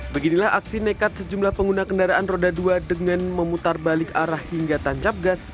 beginilah aksi nekat sejumlah pengguna kendaraan roda dua dengan memutar balik arah hingga tancap gas